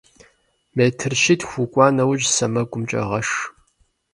Метр щитху укӏуа нэужь, сэмэгумкӏэ гъэш.